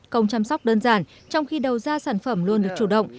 công chăm sóc đơn giản trong khi đầu ra sản phẩm luôn được chủ động